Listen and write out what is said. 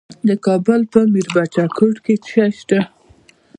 د کابل په میربچه کوټ کې څه شی شته؟